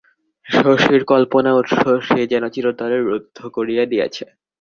শশীর কল্পনার উৎস সে যেন চিরতরে রুদ্ধ করিয়া দিয়াছে।